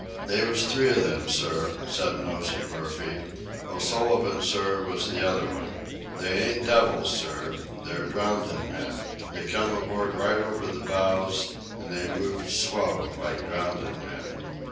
"They was three of 'em, sir," said Nosey Murphy. "O'Sullivan, sir, was the other one. They ain't devils, sir. They're drownded men. They come aboard right over the bows, an' they moved slow like drownded men.